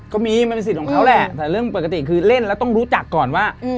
มันมีมันเป็นสิทธิ์ของเขาแหละแต่เรื่องปกติคือเล่นแล้วต้องรู้จักก่อนว่า